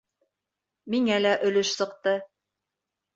Миңә лә өлөш сыҡты.